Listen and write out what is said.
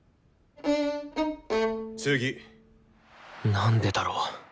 なんでだろう？